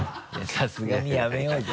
さすがにやめようぜ。